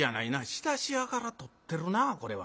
仕出し屋から取ってるなこれは。